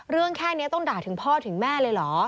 แค่นี้ต้องด่าถึงพ่อถึงแม่เลยเหรอ